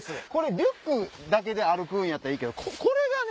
リュックだけで歩くんやったらいいけどこれがね！